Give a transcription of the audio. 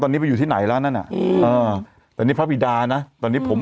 ตอนนี้ไปอยู่ที่ไหนแล้วนั่นอ่ะอืมอ่าแต่นี่พระบิดานะตอนนี้ผม